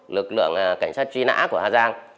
lực lượng cảnh sát truy nã của hà giang